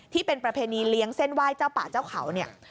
ที่เป็นประเพณีเลี้ยงเส้นไหว้เจ้าป่าเจ้าเขาเนี่ย